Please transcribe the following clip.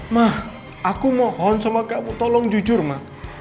ma aku mohon sama kamu tolong jujur ma